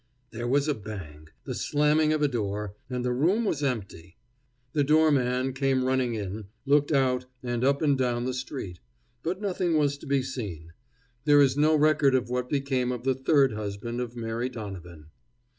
There was a bang, the slamming of a door, and the room was empty. The doorman came running in, looked out, and up and down the street. But nothing was to be seen. There is no record of what became of the third husband of Mary Donovan.